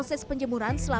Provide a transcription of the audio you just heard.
bingunga ein ini